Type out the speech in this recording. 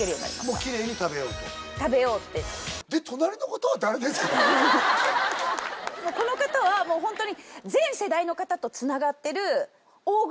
もうキレイに食べようと食べようってこの方はもうホントに何したんですか？